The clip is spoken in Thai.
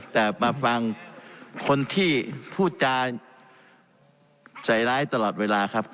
แต่มาฟังคนที่พูดจาใส่ร้ายตลอดเวลาครับ